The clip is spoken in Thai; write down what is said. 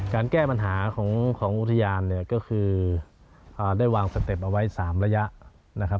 แก้ปัญหาของอุทยานเนี่ยก็คือได้วางสเต็ปเอาไว้๓ระยะนะครับ